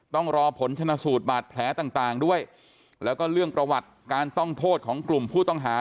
ต้องรอผลชนะสูตรบาดแผลต่างด้วยแล้วก็เรื่องประวัติการต้องโทษของกลุ่มผู้ต้องหา